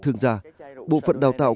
thường ra bộ phận đào tạo